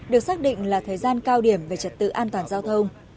được xác định là thời gian cao điểm về trật tự an toàn giao thông